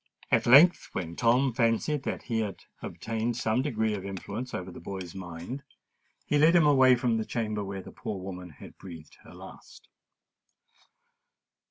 At length, when Tom fancied that he had obtained some degree of influence over the boy's mind, he led him away from the chamber where the poor woman had breathed her last.